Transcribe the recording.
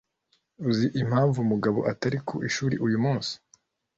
Uzi impamvu Mugabo atari ku ishuri uyu munsi?